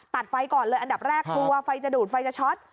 ไฟก่อนเลยอันดับแรกกลัวไฟจะดูดไฟจะช็อต